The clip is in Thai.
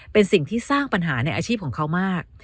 เป็นสิ่งที่สร้างปัญหาในอาชีพของเขามาก